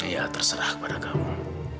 ya terserah kepada kamu